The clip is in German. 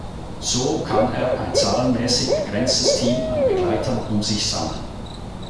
So kann er ein zahlenmäßig begrenztes Team an Begleitern um sich sammeln.